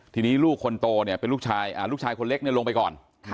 ทีนี้ลูกคนโตเนี่ยเป็นลูกชายลูกชายคนเล็กเนี่ยลงไปก่อน